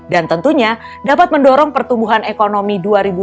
dan tentunya dapat mendorong pertumbuhan ekonomi dua ribu dua puluh tiga